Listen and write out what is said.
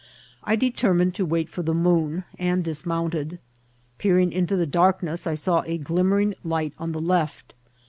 I determined to wait for the moon, and dis* mounted. Peering into the darkness, I saw a glimmer ing light on the left.